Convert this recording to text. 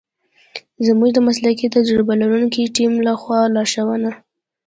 زمونږ د مسلکي تجربه لرونکی تیم لخوا لارښونه